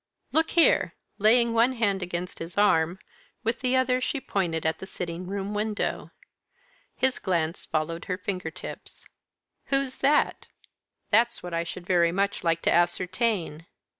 "Look here!" Laying one hand against his arm, with the other she pointed at the sitting room window. His glance followed her finger tips. "Who's that?" "That's what I should very much like to ascertain."